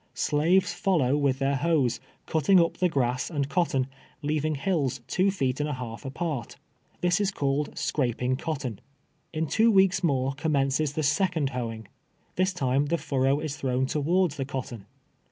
Slaves follow with their hoes, cutting uj) the grass and cotton, leaving hills two feet and a halt' apart. This is called scraping cotton. In two weeks more commences the second hoeing. This time the furrow is thrown towards the cotton.